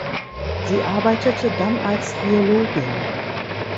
Sie arbeitete dann als Geologin.